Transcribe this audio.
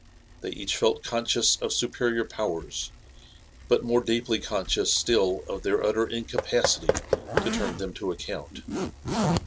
They each felt conscious of supe rior powers, but more deeply conscious still of their utter incapacity to turn them to account.